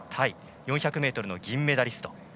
４００ｍの銀メダリスト。